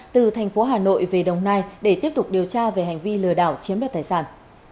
từ thành phố hà nội về đồng nai để tiếp tục điều tra về hành vi lừa đảo chiếm đoạt tài sản